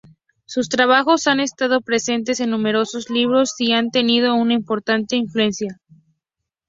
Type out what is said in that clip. Sus trabajos han estado presentes en numerosos libros y han tenido una importante influencia.